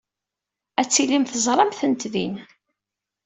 Ad tilim teẓram-tent din.